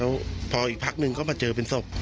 แล้วพออีกพักหนึ่งก็มาเจอเป็นศพ